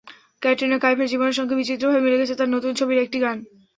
ক্যাটরিনা কাইফের জীবনের সঙ্গে বিচিত্রভাবে মিলে গেছে তাঁর নতুন ছবির একটি গান।